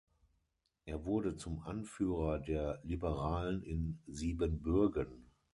Er wurde zum Anführer der Liberalen in Siebenbürgen.